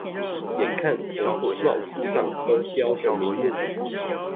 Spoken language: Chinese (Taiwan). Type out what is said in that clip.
眼看同夥帽子上都標著名目